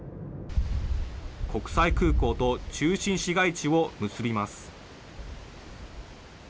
国際空港と中心市街地を結びます。